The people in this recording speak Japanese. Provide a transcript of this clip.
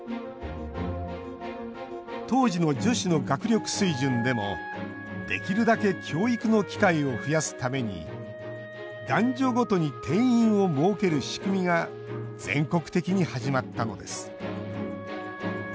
当時の女子の学力水準でもできるだけ教育の機会を増やすために男女ごとに定員を設ける仕組みが全国的に始まったのです。